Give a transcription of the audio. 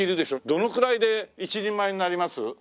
どのくらいで一人前になります？